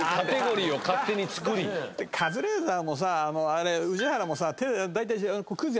カズレーザーもさあれ宇治原もさ大体。